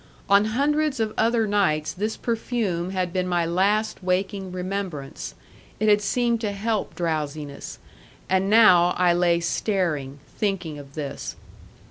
On hundreds of other nights this perfume had been my last waking remembrance; it had seemed to help drowsiness; and now I lay staring, thinking of this.